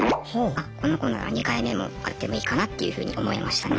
あこの子なら２回目も会ってもいいかなっていうふうに思いましたね。